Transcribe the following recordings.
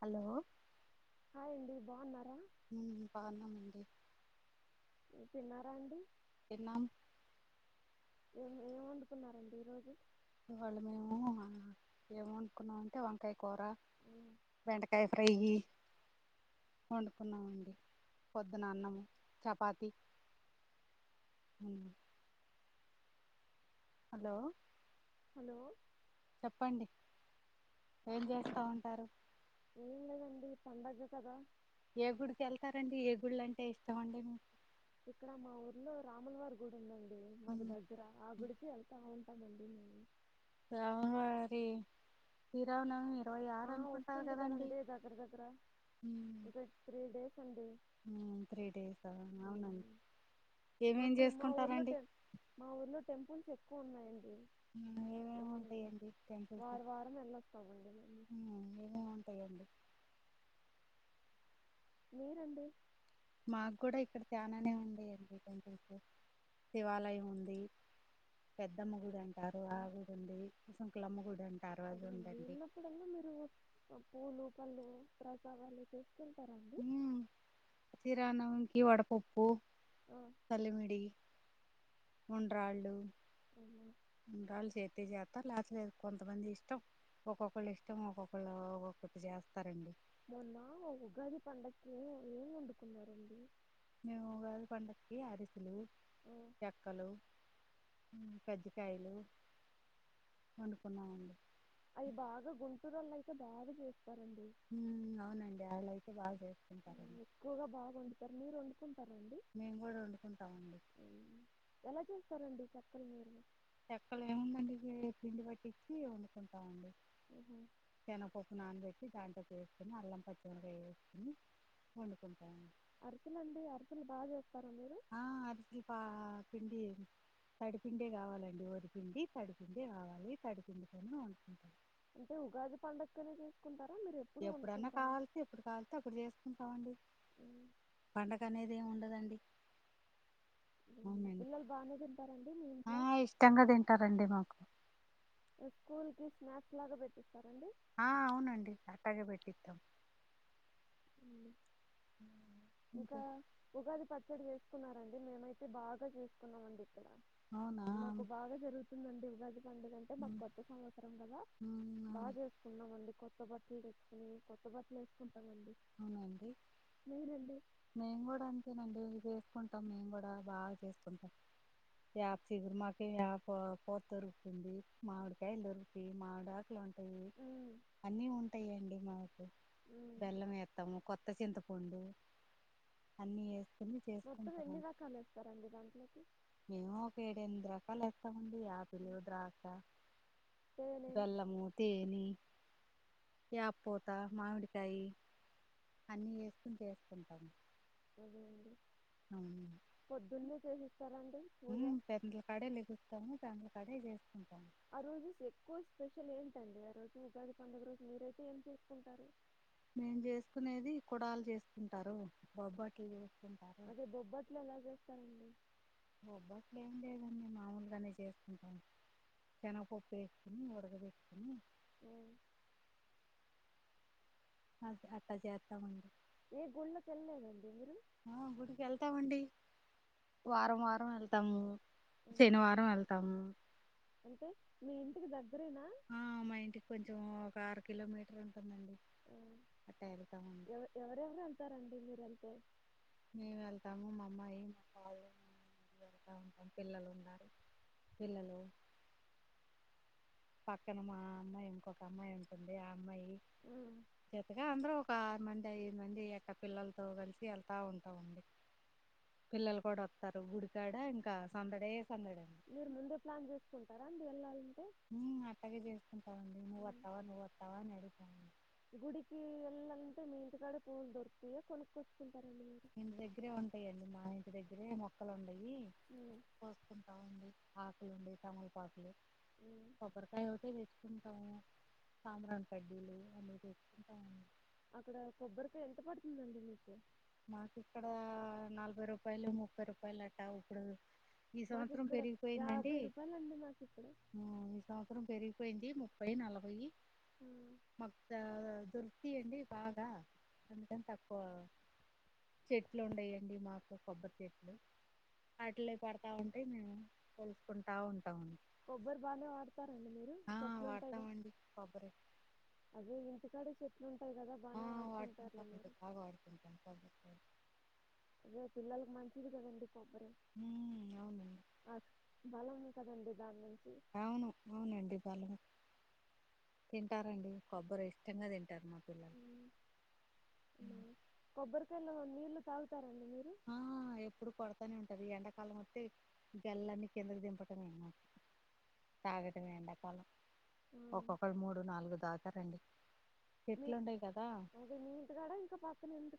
Hello hi అండి బాగున్నారా ఉమ్ బాన్నామండి తిన్నారా అండి తిన్నాం ఏం ఏం వంకున్నారండి ఈ రోజు ఇవాళ్ళ మేము ఏమ్ వనుకున్నాం అంటే వంకాయ కూర ఉమ్, బేండకాయ ఫ్రై వండుకున్నామండి పొద్దున అన్నము చపాతి ఉమ్ హలో హలో చెప్పండి ఏం చేస్తా ఉంటారు ఏం లేదండి పడగ కదా ఏగుడికి వెళ్తారండి ఏగుళ్ళ అంటే ఇష్టం అండి మీకు ఇక్కడ మా ఊర్లో రాములవారి గుడి ఉందండి మాకు ఉమ్, దగ్గర ఆ గుడికి వెళ్తాము అవున అండి రాములవారి శ్రీరామనవమి ఇరవై ఆరు ఆ అనుకుంటారు వస్తుంది కదండి దగ్గర దగ్గర ఇక త్రీ డేస్ అండి త్రీ డేస్ అవునండి ఉమ్ ఏమేం మాకు మా ఊర్లో చేసుకుంటారండి టె మా ఊర్లో టెంపుల్స్ ఎక్కువ ఉన్నాయండి ఉమ్, ఏమేమి ఉమ్ ఉంటాయండి టెంపుల్స్ వారు వారం వెళ్ళేస్తామండి ఉమ్ ఉమ్ ఏమెముంటాయండి మీరండి మాకు కూడా ఇక్కడ చనానే ఉండయండి టెంపుల్స్ శివాలయం ఉంది పెద్దమ్మగుడమ్ ఉమ్ సుంకులమ్మ గుడండి అదే అండి వెళ్ళినప్పుడల్ మీరు పూలు పళ్ళు ప్రసాదాలు చేస్ ఉమ్ శ్రీరామనవమికి వడ పప్ ప్పు ఆ! సాలివిడి ఉండ్రాళ్ళు అవునా! ఉండ్రాలు చేతే చేత్ స్త లేకపోతేలేదు కొంతమంది ఇష్టం ఒక్కొక్కళ్ళు ఇష్టం ఒక్కొక్కళ్ళ ఒక్కొక్కటి చేస్తారండి మొన్న ఉగాది పండకి ఏం ఏం వండుకున్నారండి మేముగాది పండకి అరిసలు ఆ! చెక్కలు కజ్జికాయలు వండుకున్నామండి అవి బాగా గుంటూరోళ్ళు అయితే బాగా చేస్ తరండి ఉమ్, అవునండి వాళ్ళు అయితే బాగా చేసుకుంటారండి ఎక్కువగా బాగ వండుతారు మీరు వండు తరండి మేము కూడా వండుకుంటామండి ఎలా చేస్తారండి చెక్కల్ మీరు చెక్కలు ఏముందన్డి పిండి పట్టిచ్చి వండుకుంటామండి ఆహా! సనప్పప్పు నానబెట్ ట్టి దాంట్లో వేసుకుని అల్లం పచ్చిమిర కాయ వేసుకుొని వండుకుంటాను అరి స్లండి అరిసేలు బాగా చేస్తారు ఆ అర్సిపా పిండి తడిపిండే కావాలండి వడిపిండి తడిపిండే కావాలి తడిపిండితోని వండుకుంటారు అంటే ఉగాది పండుగనే చేసుకుంటారు ఎప్పుడన్నా కావాలసి ఎప్పుడు కావల్సి అప్పుడు చేస్తుకుం కావండి హ్మ్. పండగ అనేది ఏమి ఉండదండి అవునండి పిల్లలు బానే తింటా ఆ ఇష్టంగా తింటారండి మాకు స్కూల్ కి స్నాక్స్ లాగా పెట్టిస్తారండి ఆ అవునండి అట్టాగ పెట్టిస్తాం ఇంకా ఇంకే ఉగాది ప ఇక్కడ చేసుకున్నారంండి మేమైతే బాగా చేసుకున్నాం అండి అవునా ందండి ఉగాది పండుగంటే మాకు ఉమ్, కొత్త సంవత్సరం కదా ఉమ్, బాగా అవును- చేసుకున్నామండి కొత్త కొత్త బట్టలు తెచ్చుకుని కొత్త బట్టలు వేసుకుంటాంమండి అవునండి మేము కూడా అంతేనండి ఇది వేసుకుంటా మేము కూడా బాగా చేస్తుంటాం వప్గురు మా పత దొరుకుతుంది మామిడికాయలు దొరికి మామిడ లు ఉంటాయి ఉమ్, అన్నీ ఉంటాయిండి మాకు ఉమ్. బెల్లం త్తము కొత్త చింతపండు అన్నీ మొత్తం ఎన్నిడి రకాలేస్తారండి దాంట్లోకి మేము ఒక ఏడు ఎనిమిది రకాలు ఇస్తామండి ఆయాపి లే ఉమ్. ద్రాకా తేనె వెల్లము తేని అపోత మామిడికాయి అన్నీ చేసుకుని వసుకుంటాము అదే అండి అ పొద్దున్నే చేసిస్తారండి పూజ పెద్దల కడే లెగుస్తాము పెండల కడే చేస్తుకుంటాము ఆ రోజుస్ ఎక్కువ స్పెషల్ ఏంటండి ఆ రోజు ఉగాది పండుగ రోజు మీరైతే ఏం చేసుకుంటారు మేము చేసుకునేది కుడలు చేసుకుంటారు బబ్బాటిటీ వ వస్తంంటారు సరండి బొబ్బట్లు ఏం లేదండి మాముూలుగానే చేసుకుంటాం జనపప్పు వేసుకుని ఉడగ వేసుకుని అ అ అట్టజ అత్త మ ఏ గుళ్ళకి వెళ్ళలేదండి మీరు ఆ గుడికి వెళ్తామండి వారం వారం వెళ్తాము ఆ. శనివారం వెళ్తాము అంటే మీ ఇంటికి దగ్గ ఆ మా ఇంటికి కొంచెం ఒక ఆరు కిలోమీటర్ ఉ ఆ ఎవ ఎవరెవరు వెళ్తారండి మీరు వెళ్తే మే వెళ్తాము మా అమ్మాయి మా పా తా ఉంటాం పిల్లలు ఉన్నారు పిల్లలు పక్కన మా అమ్మాయి ఇంకొక అమ్మాయి ఉంటుంది అమ్మాయి ఆ. చెత్తగా అందరు ఒక మంది ఐదు మంది అక్కడ పిల్లలతో కలిసి వెళ్తా ఉంటావుండి పిల్లలు కూడా వస్తారు గుడికాడ ఇంకా సందడ మీరు ముందే ప్లాన్ చేసుకుంటారా అండి వెళ్ళాలి అలాగే చేసుకుంటావండి ఆ. నువ్ వస్తావా నువ్వు వస్తావా అని అడుగుతావండి పిల్లంటే మీ ఇంటికాడి పూలు దొరికుతయా కొనుక్కొచ్చుకుంట ఇంటి దగ్గరే ఉంటాయిడి మా ఇంటి దగ్గరే మొక్కలు ఉండయి ఆ. పోసుంటావుండి ఆకులుండి తమలపాకులు ఆ. కొబ్బరికాయ్ ఒకటే తెచు ఇంకా సాంబ్రాణి కడ్డీలు అన్నీ తెచ్చుకుంటాము అక్కడ కొబ్బరికాయ ఎంత పడుతుందండి మీకు మాకు ఇక్కడ నలభై రూపాయలు ముప్పై రూపాయలు అట్టా ఇప్పుడు ఈ మాకు సంవత్సరం ఇక్కడ పెరిగిపోయిందండి యాభై రూపాయలండి మాకు ఇక్కడ ఉమ్ ఈ సంవత్సరం పెరిగిపోయింది ము ప్పై నలభై ఆ. మాకు దొరుకుతాయి అండి బాగా అందుకని తక్కువ చెట్లు ఉండయండి మాకు కొబ్బరి చెట్లు అట్లే పడతా ఉంటాయి మేము పొలుసుకుంటా ఉంటాము కొబ్బరి బానే వాడతారండి మీరు చెట్లుంటాయి క వాడతామండి కొబ్బరి అదే ఇ ఇంటికాడే చెట్లు ఉంటాయి కదా ఆ బాగానే వాడుకుంటారులే వాడుకుంటామండి మీరు బాగా వాడుకుంటాం కొబ్బరికాయ అదే పిల్లలకు మంచిది కదండి కొబ్బరి ఉమ్ అవును ఆ, బలం కదండి దానినుంచి అవును అవునండి బలమే తింటారండి కొబ్బరి ఇష్టంగా తింటారు మా పిల్లలు ఉమ్ మా ఉమ్. కొబ్బరికాయలో నీళ్లు తాగుతా ఆ ఆ గల్లన్ని కిందకి దింపటమే తాగటం ఎండకాలం ఆ, ఒకొక్కరు మూడు నాలుగు తాగుతారండి మీ అదే మీ ఇంటికాడ ఇంకా పక్కన ఎందు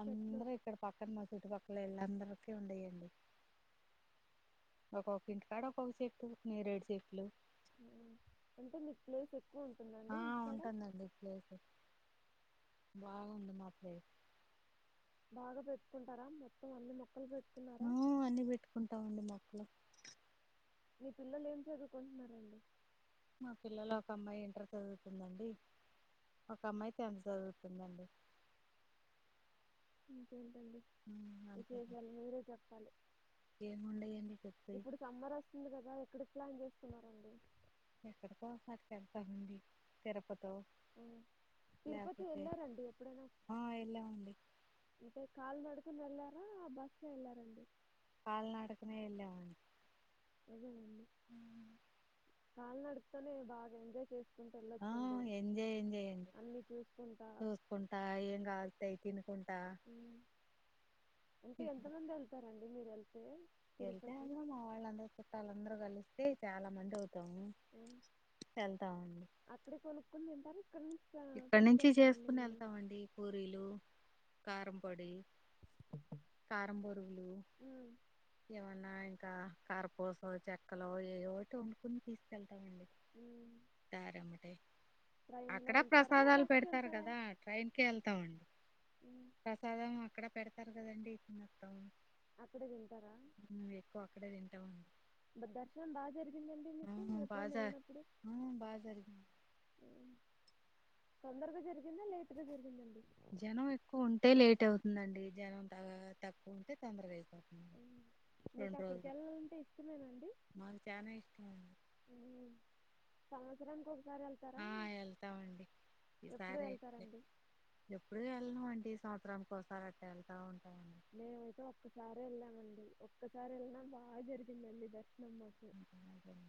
అందరు ఇక్కడ పక్కన మా చుట్టుపక్కల ఇళ్ళందరిక ఉండయండి ఒకొక్క ఇంటికాడ ఒక్కోచెట్టు నేరేడు చెట్లు ఉమ్ అంటే మీకు ప్లేస్ ఎక్కు ఆ ఉంటుందండి ప్లేస్ బాగుంది మా ప్లేస్ బాగా పెట్టుకుంటారా మొత్తం అన్ని మొ ఉమ్ అన్నీ పెట్టుకుంటాం అండి మొక్కలు మీ పిల్లలు ఏం చదువుకుంటున్నారండి మా పిల్లలు ఒక అమ్మాయి ఇంటర్ చదువుతుందండి ఒక అమ్మాయి టెన్త్ చదువుతుందండి ఇంకేంటండి అంతే విశేషాలు మీరే చెప్పాలి ఏముండయండి చెప్పి ఇప్పుడు సమ్మర్ వస్తుంది కదా ఎక్కడికి ప్లాన్ చేస్తున్నారండి ఎక్కడికోసాటికి వెళ్తాం అండి తిరుపతి ఆ తిరుపతి వెళ్ళారా అండి ఎప్పుడైనా ఆ వెళ్ళామండి అంటే కాలీనడకని వెళ్లారా బస్లో వెళ్ళారా అండి కాలీ నడకనే వెళ్ళాం అండి అదేనండి కాలీ నడకతోనే బాగా ఎంజాయ్ చేస్త ఆ ఎంజేయ్ ఎంజేయ అండి అన్ని చూసుకుంటా చూసుకుంటా ఏం కావాల్సితే అవి తినుకుంటా ఉమ్ అంటే ఎంత మంది వెళ్తారండి మీరు వెళ్తే వెళ్తే తిరుపతి అందరూ మా వాళ్ళందరు చుట్టాలందరు కలిస్తే చాలా మంది అవుతా ఉమ్ అక్కడే కొనుక్కొని తి ఇక్కడ నుంచి చేసుకుని మీరు వెళ్తామండి పూరీలు కారం పొడి కారం బొరుగులు ఉమ్, ఏమన్నా ఇంకా కార్పోసో చెక్కలో ఏవోటీ వండుకుని తీసుకెళ్త అండి ఉమ్. [unintelligible] ట్రైన్లో అక్కడ వెళ్తారా ప్రసాదాలు బస్కి పెడతారు వెళ్తారా కదా ట్రైన్ కే వెళ్తామండి ఉమ్. ప్రసాదం అక్కడ పెడతారు కదండి తిని వత్తం అక్కడే తిం ఉమ్ ఎక్కువ అక్కడే తింటామండి బ- దర్శనం [unintelligible] ఆ, మీకు ఎప్పుడన్నా బాగా వెళ్ళినప్పుడు ఆ బాగా జరిగింది ఉమ్ తొందరగా జరిగిందా లేట్గా జరిగిందండి జనం ఎక్కువ ఉంటే లేట్ అవుతుందండి జనం తక్కువ ఉంటే తొందరగా అంది ఆ నీకు అక్కడికి వెళ్ళాలంటే ఇష్టమేనాండి మాకు చానా ఇష్టం అండి సంవత్సరం ఇంకొకసారి వెళ్తారా ఈ ఎప్పుడు సారే అండి వెళ్తారండి ఎప్పుడు వెళ్ళాం అండి ఈ సంవత్సరం కో వెళ్తా ఉంటాం మేమైతే ఒక్కసారి వెళ్ళామండి ఒక్కసారి వెళ్ళిన బాగా జరిగిందడి దర్శనం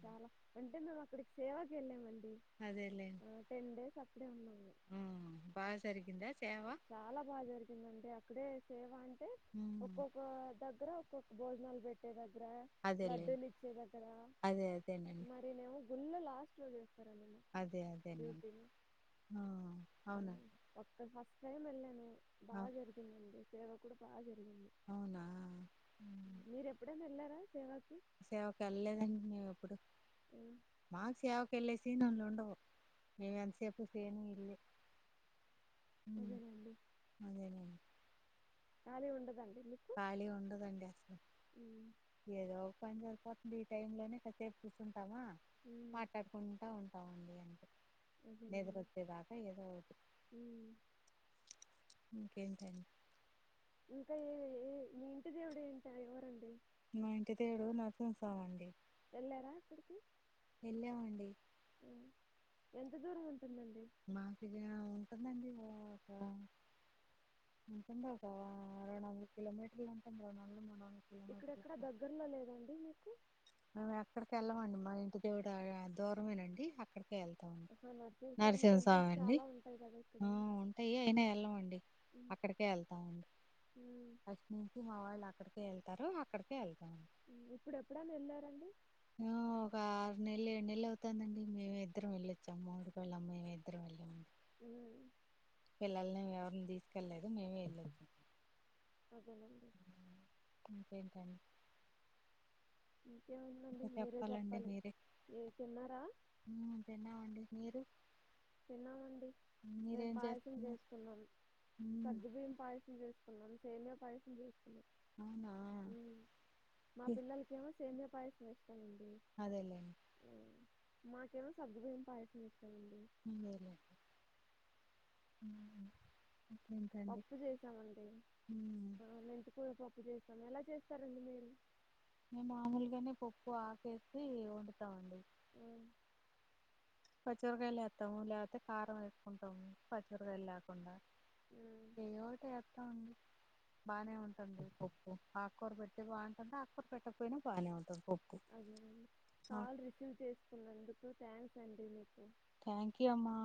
చాలా అంటే మేము అక్కడికి సేవకి వెళ్ళామని అదేలేండి టెన్ డేస్ అక్కడే ఉన్నాము ఆ బాగా జరిగిందా సేవ బాగా జరిగిందండి సేవ అంటే ఉమ్ ఒక్కొక్క దగ్గర ఒక్కొక్క భోజనాలు పెట్టే దగ్గర అదేలేండి లడ్డూలు ఇచ్చే దగ్గర అదే అదేనండి మరి నేమ గుళ్లో లాస్ట్ రోజు అదే అదేనండి డ్యూటీ ఆ అవునా ఒక్క టైమ్ వెళ్ళాను బాగా అవ్- జరిగిందండి సేవ కూడా బాగా జరిగింది అవునా మీరు ఎప్పుడైన్నా వెళ్లారా సేవకు వెళ్ళలేదండి మేము ఎప్పుడు హ్మ్. మాకు సేవకు వెళ్ళే సీన్లు ఉండవు మేమెంతసేపు సేమ్ ఇల్లే అదేనండి. అదేలే ఖాలీ ఉండదండి మీకు? ఖాళీ ఉండదండి హ్మ్. ఏదో పని ఈ టైం లోనే కాసేపు కూర్చుంటామా హ్మ్. మాట్లాడుకుంటా ఉంటామండి నిద్ర అదేనండి. వచ్చేదాకా ఏదో ఒకటి హ్మ్. ఇంకేం చేస్తాం ఇంకా ఏ ఏ మీ ఇంటి దేవుడు ఏంట ఎవరండి మా ఇంటి దేవుడు నరసింహస్వామి అండి వెళ్లారా అక్కడికి వెళ్ళామండి ఆ! ఎంత దూరం ఉ మాకు ఇది ఉంటుందండి ఓ ఉంటుంది ఒక రెండువందల కిలోమీటర్లు అ ఇక్కడెక్కడ దగ్గర్లో లేదండి మీకు మేము ఎక్కడికి వెళ్ళామండి మా ఇంటి దేవుడు దూరమేనండి అక్కడిక వెళ్తాం ఆహా! నరసింహస్వామి టెంపుల్స్ అండి చాలా ఉంటాయి కదా ఇక్కడ. ఆ ఉంటాయి అయినా వెళ్ళమండి హ్మ్. అక్కడికే వెళ్తామండి హ్మ్. ఫస్ట్ నుంచి మా వాళ్ళు అక్కడికే వెళ్తారూ అక్కడికే వెళ్తా ఉండి ఇప్పుడు ఎప్పుడైనా వెళ్ళారండి ఒక ఆరు నెల్లు ఏడు నెల్లు అవుతుందండి మేమిద్దరం వెళ్ళొచ్చాం మొగుడు పెళ్ళాలం మేమిద్దరం వెళ్ళాము హు పిల్లల్ని ఎవరిని తీసుకెళ్లలేదు అవునండి ఏంటండీ ఇంకేముందండి ఇంకా మీరే చెప్పాలండి చెప్పాలి మీరే ఏ తిన్నారా తిన్నామండి మీరు తిన్నామండి మేం మీరేం పాయసం చేస్తున్నారు చేసుకున్నాం ఉమ్, సగ్గు బియ్యం పాయసం చేసుకున్నాం సేమియా పాయసం చేస్ అవునా మా పిల్లలకేమో సేమ్య పాయసం ఇష్టం అండి అదేలే మ్మ్. మాకేమో సగ్గుబియ్యం పాయసం ఇష్టమండి హుహు హు పప్పు చేసామండి ఉమ్, ఆ మెంతకూర పప్పు పప్పు చేస్తాం ఎలా చేస్తారండి మీరు మేము మామూలుగానే పప్పు ఆకేసి వండుతాంండి ఆ పచ్చిమిరపకాయలు వేస్తాము లేకపోతే కారం వేసుకుంటాము పచ్చిమిరపకాయలు లేకుండా మ్మ్. ఏవో ఓటి వేస్తాం అండి బాగానే ఉంటుంది పప్పు ఆకూరు పెట్టి బాగుంటుంది ఆకూరు పెట్టకపోయినా బాగానే ఉంటుంది పప్పు అదేనా కాల్ రిసీవ్ చేసుకున్నందుకు థ్యాంక్స్ అండి మీకు థ్యాంక్ యూ అమ్మా